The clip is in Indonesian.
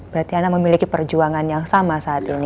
berarti anda memiliki perjuangan yang sama saat ini